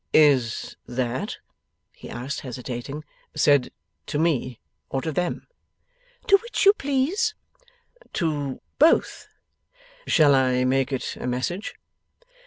'Is that,' he asked, hesitating, 'said to me, or to them?' 'To which you please.' 'To both? Shall I make it a message?